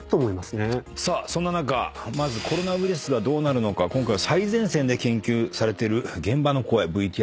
さあそんな中まずコロナウイルスがどうなるのか今回は最前線で研究されてる現場の声ＶＴＲにまとめました。